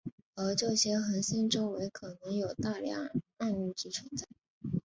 而这些恒星周围可能有大量暗物质存在。